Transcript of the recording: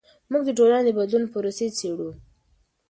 موږ د ټولنې د بدلون پروسې څیړو.